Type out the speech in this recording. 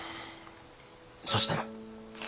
そしたら。